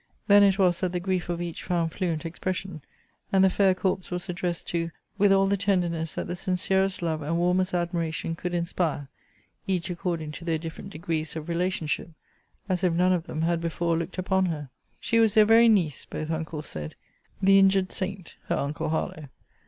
Then it was that the grief of each found fluent expression; and the fair corpse was addressed to, with all the tenderness that the sincerest love and warmest admiration could inspire; each according to their different degrees of relationship, as if none of them had before looked upon her. She was their very niece, both uncles said! The injured saint, her uncle Harlowe!